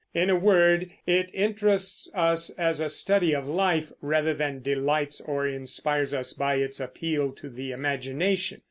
In a word, it interests us as a study of life, rather than delights or inspires us by its appeal to the imagination.